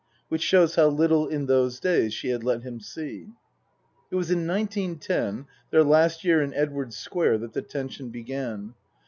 Which shows how little in those days she had let him see. It was in nineteen ten, their last year in Edwardes Square, that the tension began.